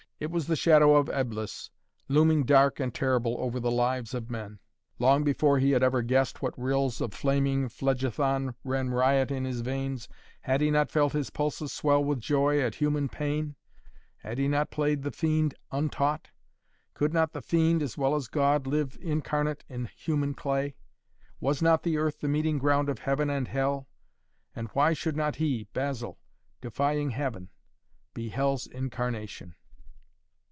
It was the shadow of Eblis looming dark and terrible over the lives of men. Long before he had ever guessed what rills of flaming Phlegethon ran riot in his veins, had he not felt his pulses swell with joy at human pain, had he not played the fiend untaught? Could not the Fiend, as well as God, live incarnate in human clay? Was not the earth the meeting ground of Heaven and Hell? And why should not he, Basil, defying Heaven, be Hell's incarnation?